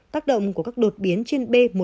tác động của các đột biến trên b một